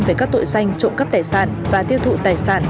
về các tội xanh trộm cấp tài sản và tiêu thụ tài sản